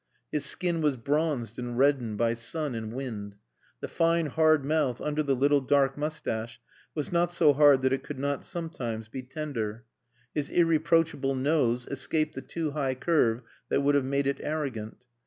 His skin was bronzed and reddened by sun and wind. The fine hard mouth under the little dark moustache was not so hard that it could not, sometimes, be tender. His irreproachable nose escaped the too high curve that would have made it arrogant.